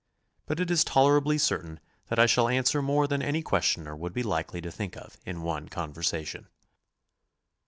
But it is tolerably cer tain that I shall answer more than any questioner would be likely to think of in one conversation.